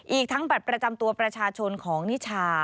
อีกทั้งบัตรประจำตัวประชาชนของนิชา